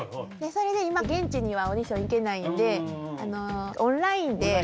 それで今現地にはオーディション行けないんでオンラインで。